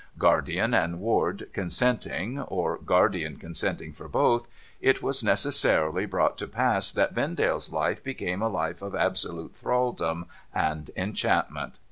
Guardian and Ward consenting, or Guardian consenting for both, it was necessarily brought to pass that Vendale's hfc became a Ufe of absolute thraldom and enchantment.